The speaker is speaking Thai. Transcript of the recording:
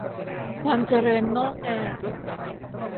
ความเจริญงอกงาม